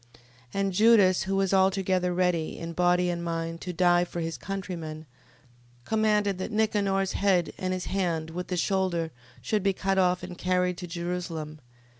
15:30. And Judas, who was altogether ready, in body and mind, to die for his countrymen, commanded that Nicanor's head, and his hand, with the shoulder, should be cut off, and carried to Jerusalem.